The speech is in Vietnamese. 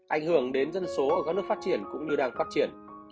ảnh hưởng đến dân số ở các nước phát triển cũng như đang phát triển